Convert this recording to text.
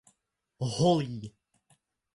Holý.